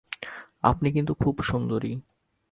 আপনি কিন্তু খুব সুন্দরী।